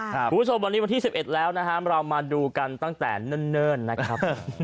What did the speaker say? คุณผู้ชมวันนี้วันที่๑๑แล้วนะครับเรามาดูกันตั้งแต่เนิ่นนะครับ